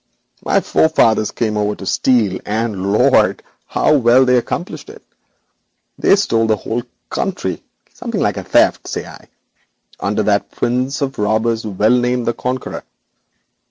My forefathers came over to steal, and, lord! how well they accomplished it. They stole the whole country something like a theft, say I under that prince of robbers whom you have well named the Conqueror.